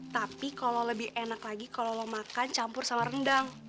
tapi kalau lebih enak lagi kalau mau makan campur sama rendang